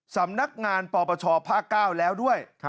สำนักงานปปชภาค๙แล้วด้วย